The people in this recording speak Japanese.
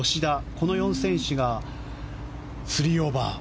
この４選手が３オーバー。